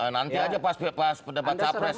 nanti saja pas berdebat capres